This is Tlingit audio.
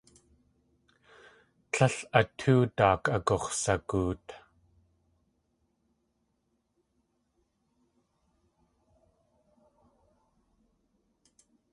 Tlél a tóo daak agux̲sagoot.